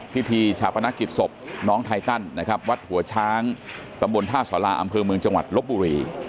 พิธีชาปนกิจศพน้องไทตันนะครับวัดหัวช้างตำบลท่าสาราอำเภอเมืองจังหวัดลบบุรี